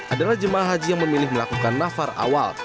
adalah jemaah haji yang memilih melakukan nafar awal